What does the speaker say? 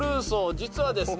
実はですね